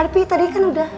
tapi tadi kan udah